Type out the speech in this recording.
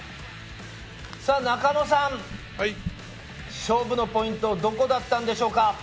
中野さん、勝負のポイントはどこだったんでしょうか？